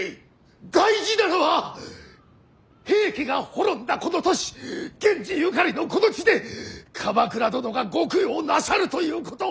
大事なのは平家が滅んだこの年源氏ゆかりのこの地で鎌倉殿がご供養なさるということ。